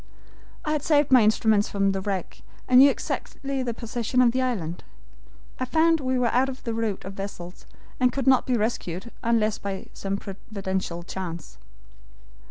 "I had saved my instruments from the wreck, and knew exactly the position of the island. I found we were out of the route of vessels, and could not be rescued unless by some providential chance.